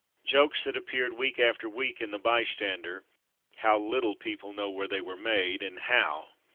" Jokes that ap peared week after week in the Bystander — how little people know where they were made, and how!